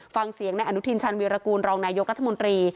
ฟังเสียงในอนุทินชาญวีรกูลรองนายกรัฐมนตรี